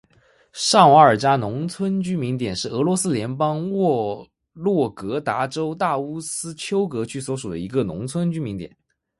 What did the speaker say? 上瓦尔扎农村居民点是俄罗斯联邦沃洛格达州大乌斯秋格区所属的一个农村居民点。